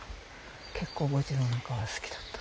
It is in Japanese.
結構墓地の中は好きだった。